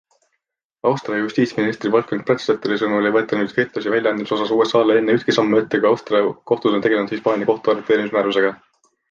Austria justiitsministri Wolfgang Brandstetteri sõnul ei võeta nüüd Firtaši väljaandmise osas USAle enne ühtki sammu ette kui Austria kohtud on tegelenud Hispaania kohtu arreteerimismäärusega.